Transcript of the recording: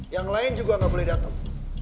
yang lain juga gak boleh dateng